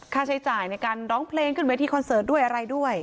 ค่าใช้จ่ายในการร้องเพลงขึ้นเวทีคอนเสิร์ตด้วยอะไรด้วย